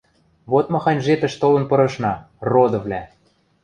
Вот махань жепӹш толын пырышна, родывлӓ!